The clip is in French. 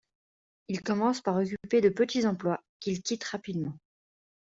Il commence par occuper de petits emplois, qu'il quitte rapidement.